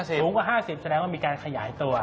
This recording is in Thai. สูงกว่า๕๐แสดงว่ามีการขยายตัว